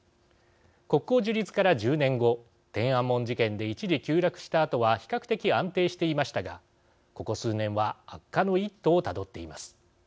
国交樹立から１０年後天安門事件で一時急落したあとは比較的安定していましたがここ数年は悪化の一途をたどっています。